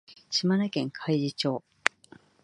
島根県海士町